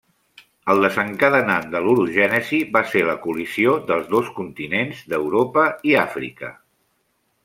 El desencadenant de l'orogènesi va ser la col·lisió dels dos continents d'Europa i Àfrica.